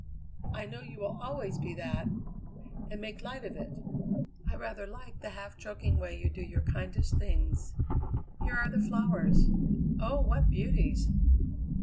I know you will always be that, and make light of it. I rather like the half joking way you do your kindest things. Here are the flowers! Oh, what beauties!"